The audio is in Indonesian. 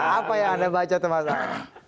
apa yang anda baca teman teman